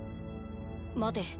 待て。